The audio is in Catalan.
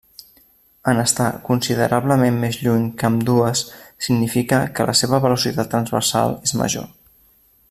En estar considerablement més lluny que ambdues significa que la seva velocitat transversal és major.